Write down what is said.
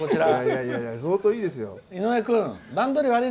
いや、相当いいですよ。